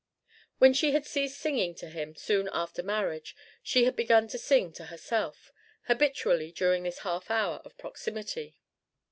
When she had ceased singing to him soon after marriage, she had begun to sing to herself habitually during this half hour of proximity.